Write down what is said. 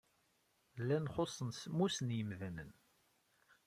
Llan xuṣṣen semmus n yimdanen.